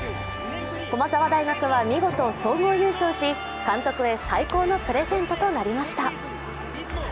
駒澤大学は見事総合優勝し監督へ最高のプレゼントとなりました。